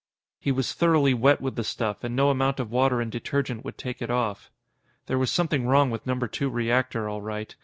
He was thoroughly wet with the stuff and no amount of water and detergent would take it off. There was something wrong with Number Two Reactor, all right.